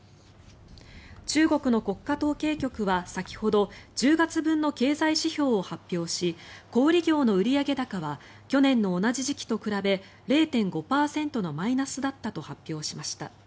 中国の国家統計局は先ほど１０月分の経済指標を発表し小売業の売上高は去年の同じ時期と比べ０．５％のマイナスだったと発表しました。